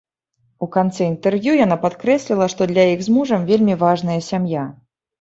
У канцы інтэрв'ю яна падкрэсліла, што для іх з мужам вельмі важная сям'я.